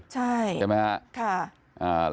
ใช่ใช่ไหมคะค่ะ